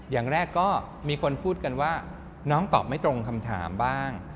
อย่างแรกก็มีคนพูดกันว่าน้องตอบไม่ตรงคำถามบ้าง